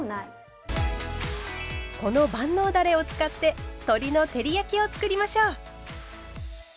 この万能だれを使って鶏の照り焼きをつくりましょう。